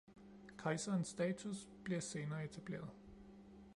Kejserens status bliver senere etableret